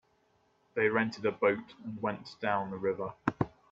They rented a boat and went down the river.